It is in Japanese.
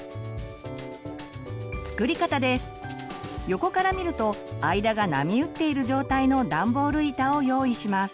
横から見ると間が波打っている状態のダンボール板を用意します。